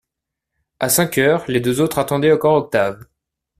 A cinq heures, les deux autres attendaient encore Octave.